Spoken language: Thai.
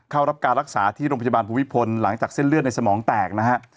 เข้ารับการรักษาที่โรงพยาบาลภูมิพลหลังจากเส้นเลือดในสมองแตกนะฮะ